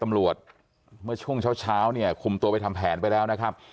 เมื่อช่วงเช้าเช้าเนี่ยคุมตัวไปทำแผนไปแล้วนะครับ